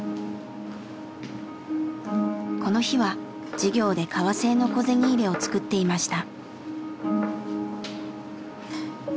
この日は授業で革製の小銭入れを作っていました。